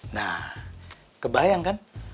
nah kebayang kan